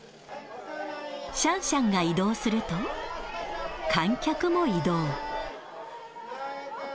シャンシャンが移動すると、観客も移動。